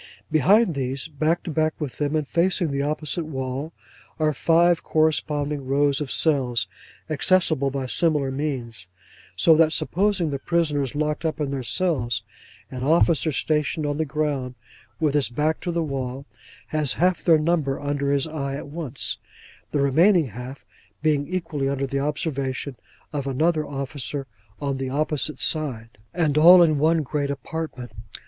Behind these, back to back with them and facing the opposite wall, are five corresponding rows of cells, accessible by similar means: so that supposing the prisoners locked up in their cells, an officer stationed on the ground, with his back to the wall, has half their number under his eye at once; the remaining half being equally under the observation of another officer on the opposite side; and all in one great apartment.